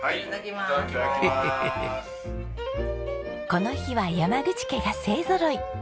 この日は山口家が勢ぞろい。